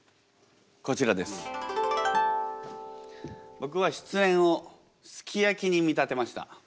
僕は失恋をすき焼きに見立てました。